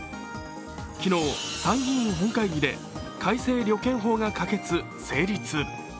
昨日、参議院本会議で改正旅券法が可決・成立。